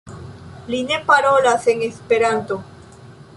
Li ne parolas en Esperanto.